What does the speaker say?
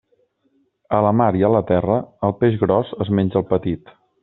A la mar i a la terra, el peix gros es menja el petit.